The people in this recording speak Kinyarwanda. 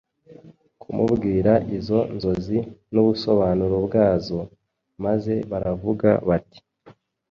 kumubwira izo nzozi n’ubusobanuro bwazo. Maze baravuga bati